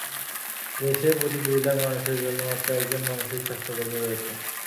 দেশে প্রতি দুই লাখ মানুষের জন্য মাত্র একজন মানসিক স্বাস্থ্যকর্মী রয়েছেন।